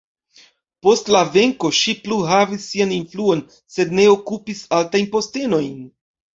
Post la venko ŝi plu havis sian influon, sed ne okupis altajn postenojn.